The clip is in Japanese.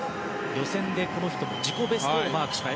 予選でこの人も自己ベストをマークしました。